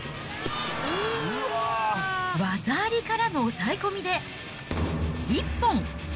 技ありからの抑え込みで、一本。